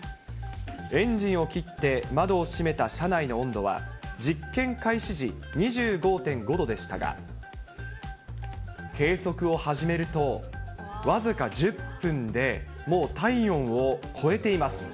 エンジンを切って窓を閉めた車内の温度は、実験開始時、２５．５度でしたが、計測を始めると、僅か１０分で、もう体温を超えています。